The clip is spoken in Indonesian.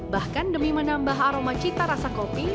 bahkan demi menambah aroma cita rasa kopi